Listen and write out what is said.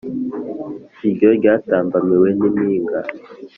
iyo ryatambamiwe n’impinga